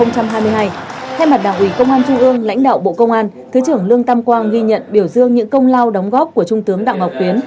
thay mặt đảng ủy công an trung ương lãnh đạo bộ công an thứ trưởng lương tam quang ghi nhận biểu dương những công lao đóng góp của trung tướng đặng ngọc tuyến